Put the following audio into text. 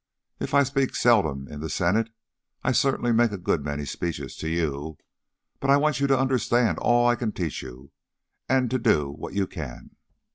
If I speak seldom in the Senate, I certainly make a good many speeches to you. But I want you to understand all I can teach you and to do what you can."